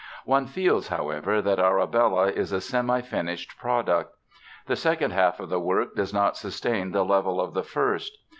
One feels, however, that Arabella is a semi finished product. The second half of the work does not sustain the level of the first.